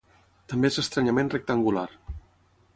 També és estranyament rectangular.